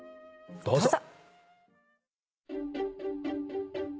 どうぞ。